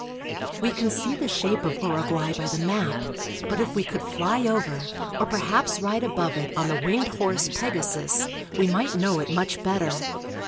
We can see the shape of Uruguay by the map, but if we could fly over or perhaps ride above it on the winged horse, Pegasus, we might know it much better.